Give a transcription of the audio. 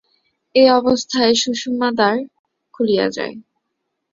এই অবস্থায় সুষু্ম্নাদ্বার খুলিয়া যায়।